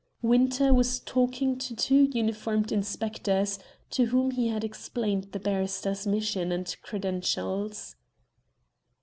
Winter was talking to two uniformed inspectors, to whom he had explained the barrister's mission and credentials.